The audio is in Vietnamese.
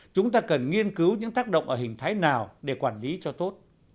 chúng ta cần nghiên cứu những tác động ở hình thái nào để quản lý cho tốt